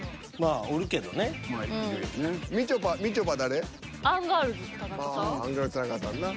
ああアンガールズ田中さんな。